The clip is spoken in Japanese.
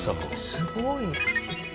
すごい。